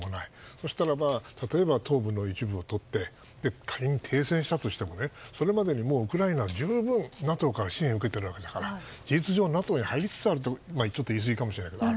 そうしたらば東部の一部をとって仮に停戦したとしてもそれまでに、もうウクライナは十分ＮＡＴＯから支援を受けているわけだから事実上、ＮＡＴＯに入りつつある言い過ぎかもしれないけど。